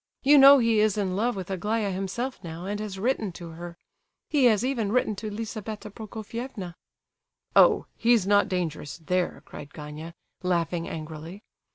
You know he is in love with Aglaya himself, now, and has written to her; he has even written to Lizabetha Prokofievna!" "Oh! he's not dangerous there!" cried Gania, laughing angrily.